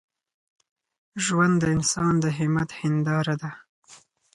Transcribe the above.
ژوند د انسان د همت هنداره ده.